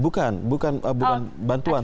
bukan bukan bantuan